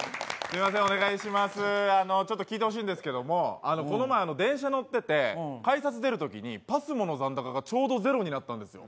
ちょっと聞いてほしいんですけどこの前電車乗ってて改札出るときに、ＰＡＳＭＯの残高がちょうど０になったんですよ。